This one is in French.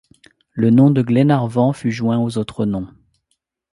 Le nom de Glenarvan fut joint aux autres noms.